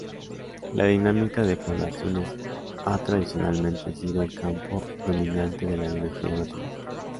La dinámica de poblaciones ha tradicionalmente sido el campo dominante de la biología matemática.